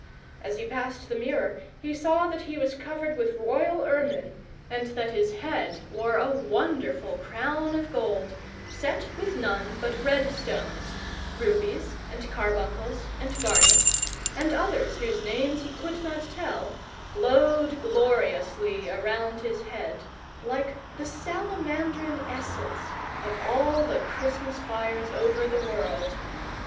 As he passed the mirror he saw that he was covered with royal ermine, and that his head wore a wonderful crown of gold, set with none but red stones: rubies and carbuncles and garnets, and others whose names he could not tell, glowed gloriously around his head, like the salamandrine essence of all the Christmas fires over the world.